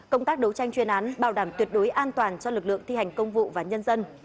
công tác đấu tranh chuyên án bảo đảm tuyệt đối an toàn cho lực lượng thi hành công vụ và nhân dân